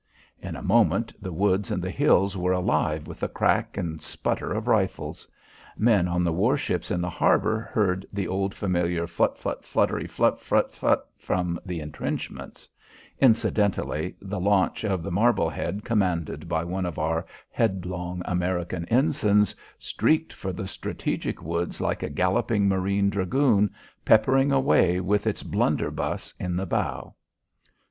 In a moment the woods and the hills were alive with the crack and sputter of rifles. Men on the warships in the harbour heard the old familiar flut flut fluttery fluttery flut flut flut from the entrenchments. Incidentally the launch of the "Marblehead," commanded by one of our headlong American ensigns, streaked for the strategic woods like a galloping marine dragoon, peppering away with its blunderbuss in the bow.